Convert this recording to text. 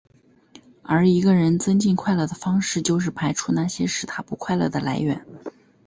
而一个人增进快乐的方式就是排除那些使他不快乐的来源。